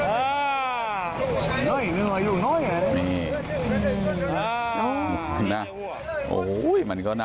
โอ้โหมันก็นะ